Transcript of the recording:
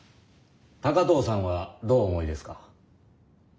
高藤さんはどうお思いですか？